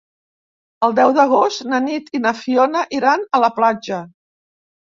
El deu d'agost na Nit i na Fiona iran a la platja.